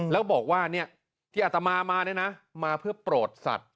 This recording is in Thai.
แล้วบอกว่าที่อัตมามาเนี่ยนะมาเพื่อโปรดสัตว์